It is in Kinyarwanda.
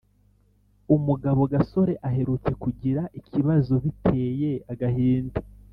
Umugabo Gasore aherutse kugira ikibazo biteye agahinda.